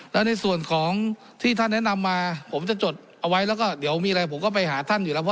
แล้วในส่วนของที่ท่านแนะนำมาผมจะจดเอาไว้แล้วก็เดี๋ยวมีอะไรผมก็ไปหาท่านอยู่แล้ว